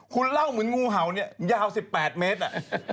คุณเล่าเหมือนงูเห่าเนี่ยยาว๑๘เมตร